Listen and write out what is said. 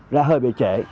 ra hơi bị trễ